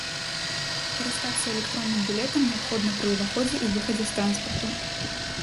Скарыстацца электронным білетам неабходна пры ўваходзе і выхадзе з транспарту.